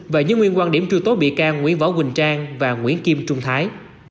và dưới nguyên quan điểm truy tố bị can nguyễn võ quỳnh trang và nguyễn kim trung thái